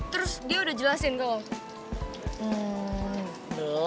terus dia udah jelasin ke lo